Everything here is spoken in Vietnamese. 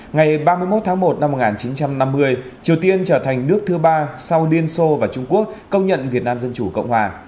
ngày ba mươi một tháng một năm một nghìn chín trăm năm mươi triều tiên trở thành nước thứ ba sau liên xô và trung quốc công nhận việt nam dân chủ cộng hòa